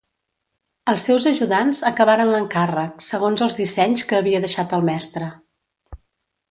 Els seus ajudants acabaren l'encàrrec, segons els dissenys que havia deixat el mestre.